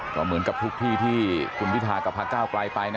ก็เหมือนก็ทุกที่ที่คุณพิทาคกับพระเก้ากลายไปนะครับ